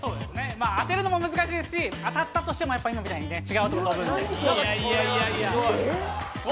当てるのも難しいし、当たったとしても今のように、やっぱり今みたいに違うところに飛ぶんで。